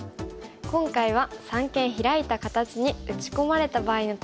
今回は三間ヒラいた形に打ち込まれた場合の対処法がテーマですね。